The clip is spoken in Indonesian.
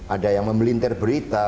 ada yang memelintir berita